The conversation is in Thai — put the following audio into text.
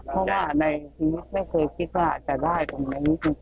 เพราะว่าในชีวิตไม่เคยคิดว่าจะได้ตรงนี้จริง